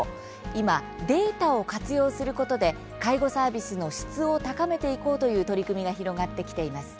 今、データを活用することで介護サービスの質を高めていこうという取り組みが広がってきています。